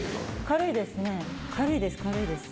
軽いですか？